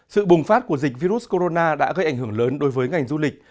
sự bùng phát của dịch virus corona đã gây ảnh hưởng lớn đối với ngành du lịch